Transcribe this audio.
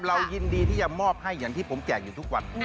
เรายินดีที่จะมอบให้อย่างที่ผมแจกอยู่ทุกวัน